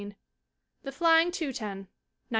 The Flying Teuton, 1918.